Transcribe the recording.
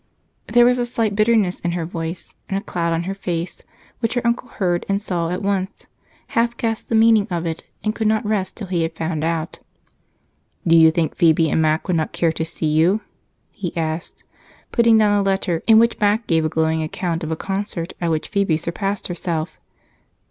There was a slight bitterness in her voice and a cloud on her face, which her uncle heard and saw at once, half guessed the meaning of, and could not rest till he had found out. "Do you think Phebe and Mac would not care to see you?" he asked, putting down a letter in which Mac gave a glowing account of a concert at which Phebe surpassed herself.